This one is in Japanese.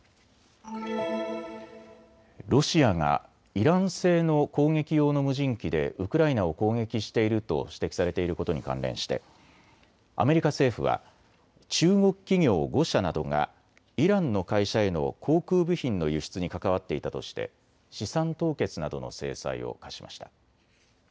ロシアがイラン製の攻撃用の無人機でウクライナを攻撃していると指摘されていることに関連してアメリカ政府は中国企業５社などがイランの会社への航空部品の輸出に関わっていたとして資産凍結などの制裁を科しました。